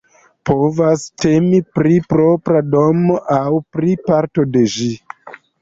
Povas temi pri propra domo aŭ pri parto de ĝi.